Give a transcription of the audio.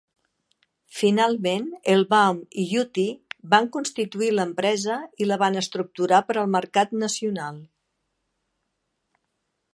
Finalment, Erlbaum i Youtie van constituir l'empresa i la van estructurar per al mercat nacional.